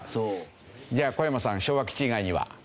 じゃあ小山さん昭和基地以外には？